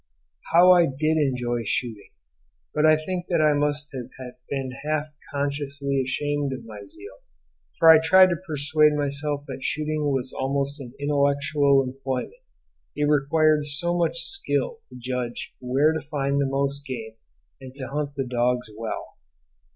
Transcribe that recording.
How I did enjoy shooting! But I think that I must have been half consciously ashamed of my zeal, for I tried to persuade myself that shooting was almost an intellectual employment; it required so much skill to judge where to find most game and to hunt the dogs well.